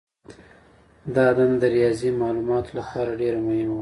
دا دنده د ریاضي مالوماتو لپاره ډېره مهمه وه.